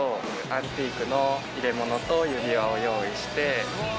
アンティークの入れ物と指輪を用意して。